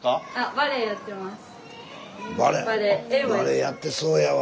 バレエやってそうやわ。